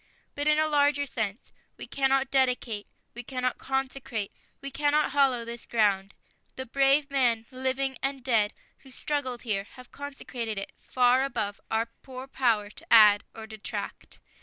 But, in a larger sense, we cannot dedicate. . .we cannot consecrate. .. we cannot hallow this ground. The brave men, living and dead, who struggled here have consecrated it, far above our poor power to add or detract.